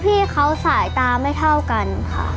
พี่เขาสายตาไม่เท่ากันค่ะ